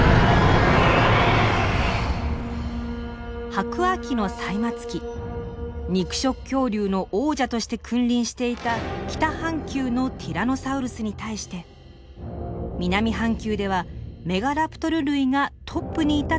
白亜紀の最末期肉食恐竜の王者として君臨していた北半球のティラノサウルスに対して南半球ではメガラプトル類がトップにいたと考えられています。